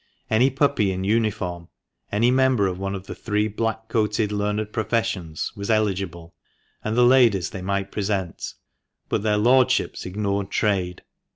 Any puppy in uniform, any member of one of the three black coated learned professions, was eligible, and the ladies they might present, but their lordships ignored trade.